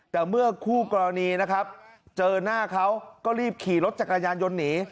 แต่เมื่อคู่กรณีนะครับเจอหน้าเขาก็รีบขี่รถจักรยานยนต์หนี